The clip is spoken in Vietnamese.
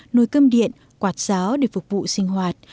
nồi cơm điện quạt giáo để phục vụ sinh hoạt